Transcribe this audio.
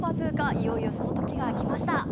いよいよその時が来ました。